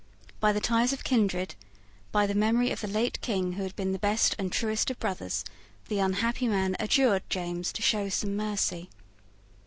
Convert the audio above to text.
By the ties of kindred, by the memory of the late King, who had been the best and truest of brothers, the unhappy man adjured James to show some mercy.